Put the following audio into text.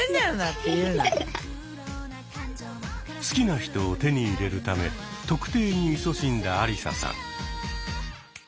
好きな人を手に入れるため「特定」にいそしんだアリサさん。